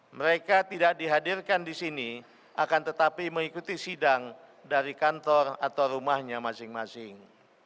mereka tidak dihadirkan di sini akan tetapi mengikuti sidang dari kantor atau rumahnya masing masing